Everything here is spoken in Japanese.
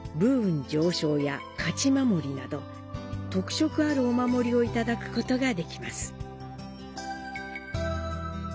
特色あるお守りを頂くことができます。